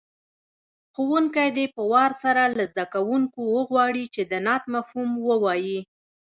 ښوونکی دې په وار سره له زده کوونکو وغواړي چې د نعت مفهوم ووایي.